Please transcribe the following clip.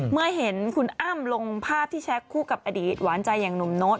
เมื่อเห็นคุณอ้ำลงภาพที่แชคคู่กับอดีตหวานใจอย่างหนุ่มโน๊ต